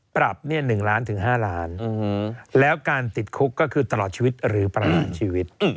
ปรับ๑ล้านถึง๕ล้านแล้วการติดคุกก็คือตลอดชีวิตหรือประหารชีวิต